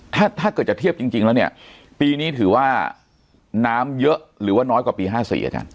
ถ้าถ้าเกิดจะเทียบจริงแล้วเนี่ยปีนี้ถือว่าน้ำเยอะหรือว่าน้อยกว่าปี๕๔อาจารย์